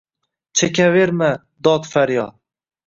Chekaverma dod-faryod.